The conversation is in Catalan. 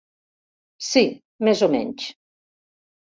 Sí, més o menys.